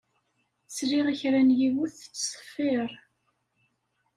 Sliɣ i kra n yiwet tettṣeffiṛ